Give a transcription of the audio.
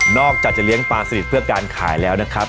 อกจากจะเลี้ยงปลาสนิทเพื่อการขายแล้วนะครับ